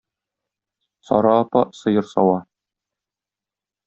Сара апа сыер сава.